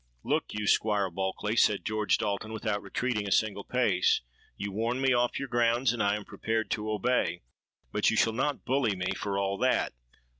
—'Look you, Squire Bulkeley,' said George Dalton, without retreating a single pace: 'you warn me off your grounds, and I am prepared to obey. But you shall not bully me, for all that.'